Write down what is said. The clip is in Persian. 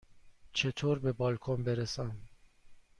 چطور به بالکن برسم؟